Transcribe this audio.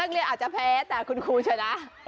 นักเรียนอาจจะแพ้แต่หรือคุณครูชนะ